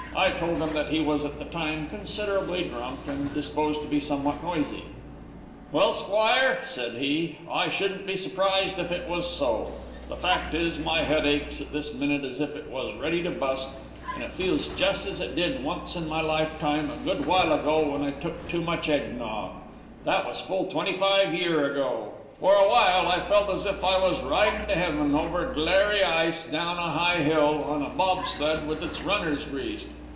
I told him that he was at that time considerably drunk, and disposed to be somewhat noisy. "'Well, squire,' said he, 'I shouldn't be surprised if it was so; the fact is, my head aches at this minute as if it was ready to bust, and it feels jest as it did once in my lifetime, a good while ago, when I took too much egg nogg; that was full twenty five year ago; for awhile, I felt as if I was ridin' to Heaven over glairy ice down a high hill, on a bob sled with its runners greased.